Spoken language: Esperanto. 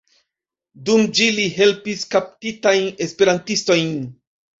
Dum ĝi li helpis kaptitajn esperantistojn.